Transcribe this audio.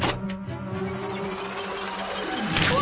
うわ！